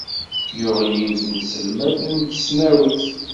Yuɣ yiwet n tselmadt n tesnawit.